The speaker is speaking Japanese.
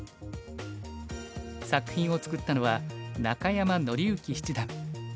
作品を作ったのは中山典之七段。